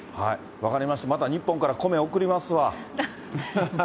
分かりました、また日本から米送りますわ。